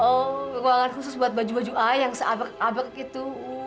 oh ruangan khusus buat baju baju ayang seabar abar gitu